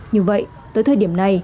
như vậy tới thời điểm này